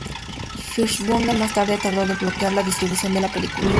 Fishburne más tarde trató de bloquear la distribución de la película.